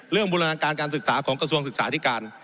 บูรณาการการศึกษาของกระทรวงศึกษาธิการ